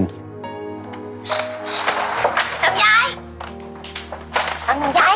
ลำยาย